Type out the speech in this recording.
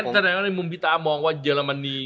แสดงว่าในมุมพี่ตามองว่าเยอรมนี